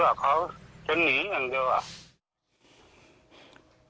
เขาจะหนีอย่างเดียวอะ